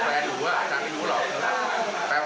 ต้นหอมเนี่ยเขาจะต้องเป็นคนลับสนานอาการ